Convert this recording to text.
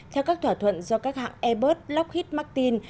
theo các thỏa thuận do các hãng airbus lockhed martin